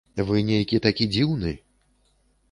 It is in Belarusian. Вы нейкі такі дзіўны!